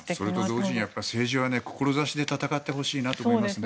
それと同時に政治は志で戦ってほしいなと思いますね。